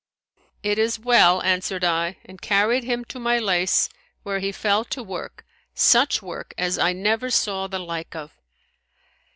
It is well,' answered I and carried him to my lace, where he fell to work, such work as I never saw the like of.